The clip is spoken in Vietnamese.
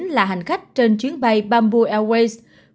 là hành khách trên chuyến bay bamboo airways